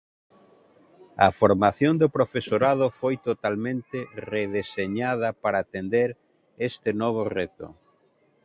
A formación do profesorado foi totalmente redeseñada para atender este novo reto.